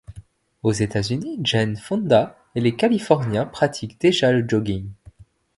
Aux États-Unis, Jane Fonda et les Californiens pratiquent déjà le jogging.